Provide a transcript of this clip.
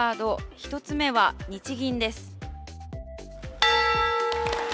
１つ目は日銀です。